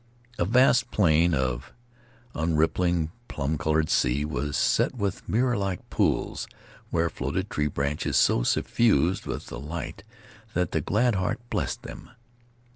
A vast plane of unrippling plum colored sea was set with mirror like pools where floated tree branches so suffused with light that the glad heart blessed them.